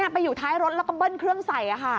ไปอยู่ท้ายรถแล้วก็เบิ้ลเครื่องใส่